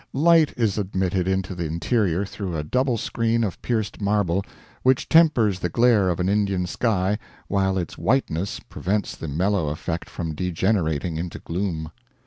Light is admitted into the interior through a double screen of pierced marble, which tempers the glare of an Indian sky while its whiteness prevents the mellow effect from degenerating into gloom.